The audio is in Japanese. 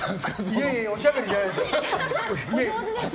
いえいえおしゃべりじゃないんですよ。